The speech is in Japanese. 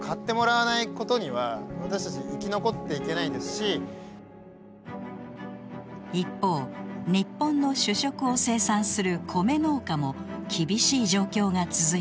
やはり何より一方日本の主食を生産するコメ農家も厳しい状況が続いています。